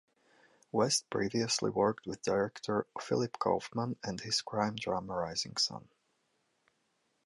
West previously worked with director Philip Kaufman on his crime drama "Rising Sun".